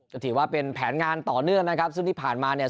ก็ถือว่าเป็นแผนงานต่อเนื่องนะครับซึ่งที่ผ่านมาเนี่ย